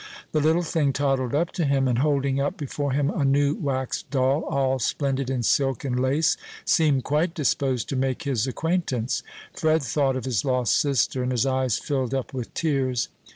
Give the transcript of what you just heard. The little thing toddled up to him, and holding up before him a new wax doll, all splendid in silk and lace, seemed quite disposed to make his acquaintance. Fred thought of his lost sister, and his eyes filled up with tears.